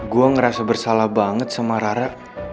gue ngerasa bersalah banget sama rara